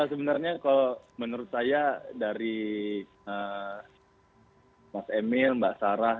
sebenarnya kalau menurut saya dari mas emil mbak sarah